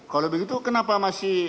kalau begitu kenapa masih